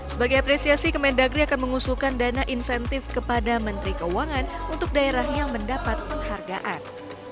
sebagai apresiasi kemendagri akan mengusulkan dana insentif kepada menteri keuangan untuk daerah yang mendapat penghargaan